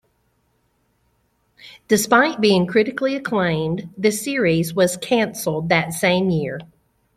Despite being critically acclaimed, the series was canceled that same year.